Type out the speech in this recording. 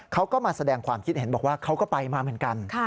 เขาก็มาแสดงความคิดเห็นบอกว่าเขาก็ไปมาเหมือนกัน